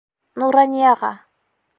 Нуранияға.